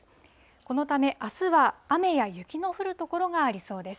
このため、あすは雨や雪の降る所がありそうです。